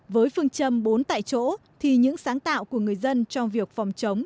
với phương châm bốn tại chỗ thì những sáng tạo của người dân trong việc phòng chống